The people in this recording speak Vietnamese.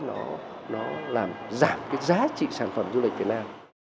nó làm giảm cái giá trị sản phẩm du lịch việt nam